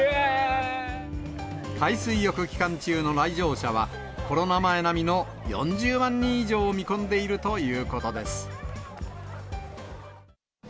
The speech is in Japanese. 海水浴期間中の来場者は、コロナ前並みの４０万人以上を見込んでいるということです。